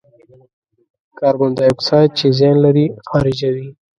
کاربن دای اکساید چې زیان لري، خارجوي.